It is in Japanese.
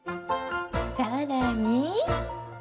更に。